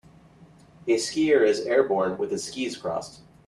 A skier is airborne with his skis crossed.